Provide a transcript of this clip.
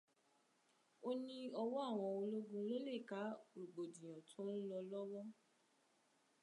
Ó ní ọwọ́ àwọn ológun ló lè ká rògbòdìnyàn tó ń lọ lọ́wọ́.